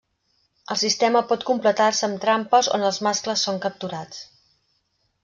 El sistema pot completar-se amb trampes on els mascles són capturats.